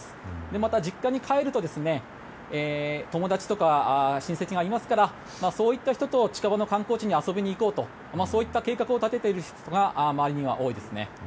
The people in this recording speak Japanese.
また、実家に帰ると友達とか親戚がいますからそういった人と近場の観光地に遊びに行こうとそういった計画を立てている人が周りに多いですね。